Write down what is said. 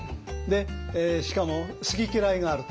でしかも好き嫌いがある。